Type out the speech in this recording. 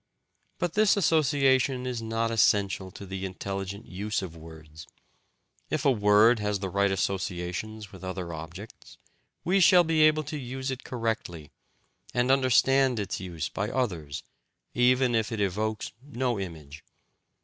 But this association is not essential to the intelligent use of words. If a word has the right associations with other objects, we shall be able to use it correctly, and understand its use by others, even if it evokes no image.